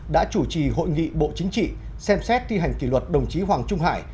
đã chủ trì hội nghị bộ chính trị xem xét thi hành kỷ luật đồng chí hoàng trung hải